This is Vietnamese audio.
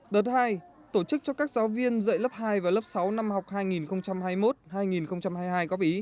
đợt hai tổ chức cho các giáo viên dạy lớp hai và lớp sáu năm học hai nghìn hai mươi một hai nghìn hai mươi hai góp ý